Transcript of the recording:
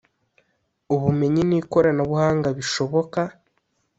ubumenyi ni koranabuhanga bishoboka